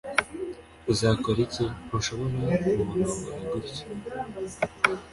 uzakora iki? ntushobora kumurongora gutya